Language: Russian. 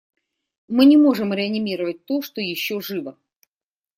Мы не можем реанимировать то, что еще живо.